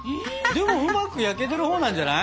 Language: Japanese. でもうまく焼けてるほうなんじゃない？